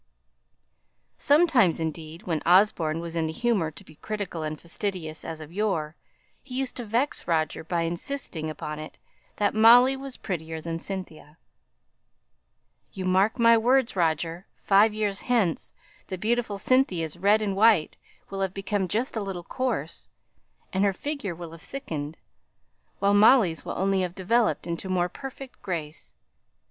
Sometimes, indeed, when Osborne was in the humour to be critical and fastidious as of yore, he used to vex Roger by insisting upon it that Molly was prettier than Cynthia. "You mark my words, Roger. Five years hence the beautiful Cynthia's red and white will have become just a little coarse, and her figure will have thickened, while Molly's will only have developed into more perfect grace.